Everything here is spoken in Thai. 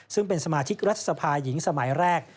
ซึ่งเป็นสมาชิกรัฐสภาหญิงสมัยแรก